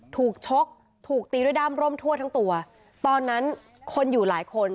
ชกถูกตีด้วยด้ามร่มทั่วทั้งตัวตอนนั้นคนอยู่หลายคน